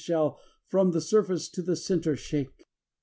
Shall from the surface to the center shake.